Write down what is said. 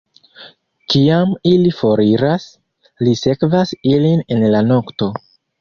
Kiam ili foriras, li sekvas ilin en la nokto.